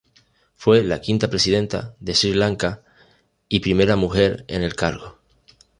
Fue la quinta presidenta de Sri Lanka y primera mujer en el cargo.